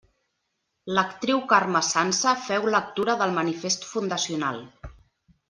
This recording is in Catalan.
L'actriu Carme Sansa féu lectura del manifest fundacional.